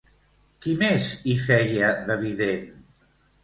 Qui més hi feia de vident?